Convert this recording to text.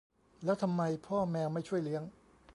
แล้วทำไมพ่อแมวไม่ช่วยเลี้ยง